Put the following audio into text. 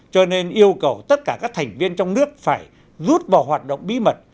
cho nên yêu cầu tất cả các thành viên trong nước phải rút vào hoạt động bí mật